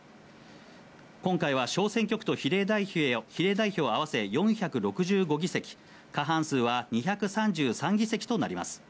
今回は、小選挙区と比例代表を合わせ４６５議席、過半数は２３３議席となります。